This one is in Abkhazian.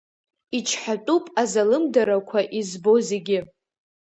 Ичҳатәуп азалымдарақәа избо зегьы.